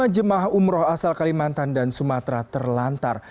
lima jemaah umroh asal kalimantan dan sumatera terlantar